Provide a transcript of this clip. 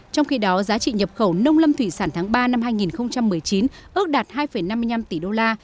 trong khi đó giá trị nhập khẩu nông lâm thủy sản tháng ba năm hai nghìn một mươi chín ước đạt hai năm mươi năm tỷ đô la